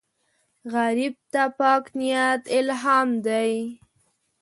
غریب ته پاک نیت الهام دی